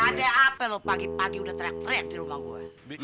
ada apa lu pagi pagi udah terang terang di rumah gue